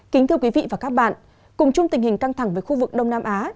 kính thưa quý vị và các bạn cùng chung tình hình căng thẳng với khu vực đông nam á